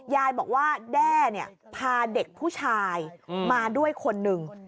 ยายบอกว่าแด้พาเด็กผู้ชายมาด้วยคนหนึ่ง